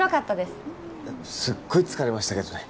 すっごい疲れましたけどね